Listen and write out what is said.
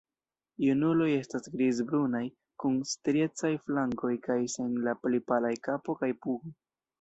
Junuloj estas grizbrunaj kun striecaj flankoj kaj sen la pli palaj kapo kaj pugo.